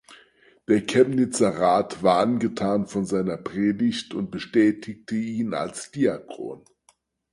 Der Chemnitzer Rat war angetan von seiner Predigt und bestätigte ihn als Diakon.